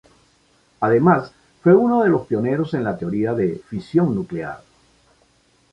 Además fue uno de los pioneros en la teoría de fisión nuclear.